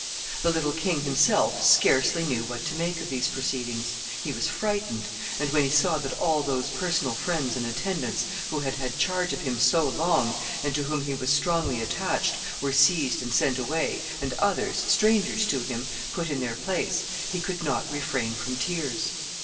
The little king himself scarcely knew what to make of these proceedings. He was frightened; and when he saw that all those personal friends and attendants who had had the charge of him so long, and to whom he was strongly attached, were seized and sent away, and others, strangers to him, put in their place, he could not refrain from tears.